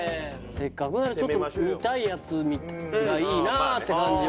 せっかくならちょっと見たいやつがいいなって感じは。